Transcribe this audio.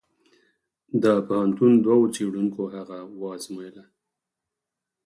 د پوهنتون دوو څېړونکو هغه وزمویله.